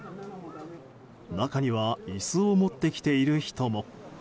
中には椅子を持ってきている人も。